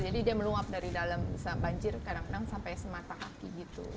jadi dia meluap dari dalam bisa banjir kadang kadang sampai semata kaki gitu